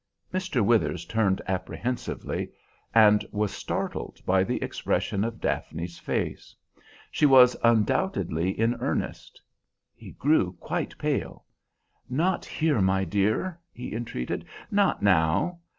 Mr. Withers turned apprehensively, and was startled by the expression of Daphne's face. She was undoubtedly in earnest. He grew quite pale. "Not here, my dear," he entreated; "not now.